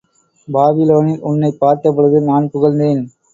பாபிலோனில் உன்னைப் பார்த்த பொழுது நான் புகழ்ந்தேன்.